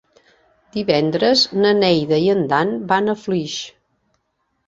Divendres na Neida i en Dan van a Flix.